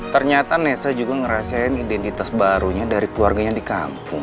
ternyata nesa juga ngerasain identitas barunya dari keluarganya di kampung